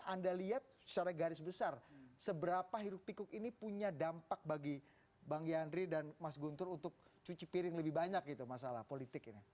anda lihat secara garis besar seberapa hiruk pikuk ini punya dampak bagi bang yandri dan mas guntur untuk cuci piring lebih banyak gitu masalah politik ini